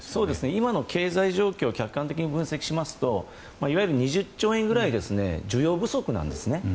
今の経済状況を客観的に分析しますといわゆる２０兆円ぐらい需要不足なんですね。